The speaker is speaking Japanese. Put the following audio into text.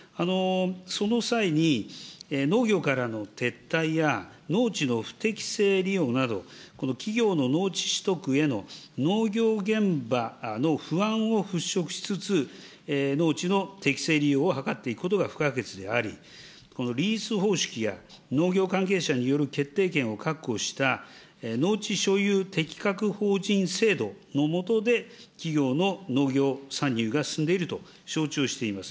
その際に、農業からの撤退や、農地の不適正利用など、企業の農地取得への農業現場の不安を払拭しつつ、農地の適正利用を図っていくことが不可欠であり、リース方式や、農業関係者による決定権を確保した農地所有適格法人制度の下で、企業の農業参入が進んでいると承知をしています。